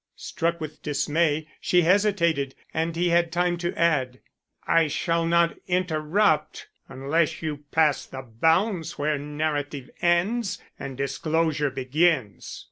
Struck with dismay, she hesitated and he had time to add: "I shall not interrupt unless you pass the bounds where narrative ends and disclosure begins."